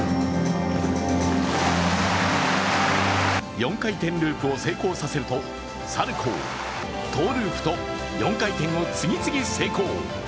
４回転ループを成功させるとサルコウ、トゥループと４回転を次々成功。